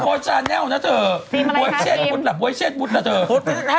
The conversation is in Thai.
ถ้าจับหนูต้องจับหมดนะค่ะ